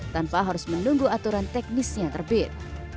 tanpa harus menunggu aturan teknisnya terbit